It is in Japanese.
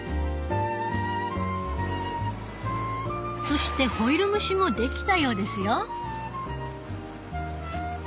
そしてホイル蒸しも出来たようですよ。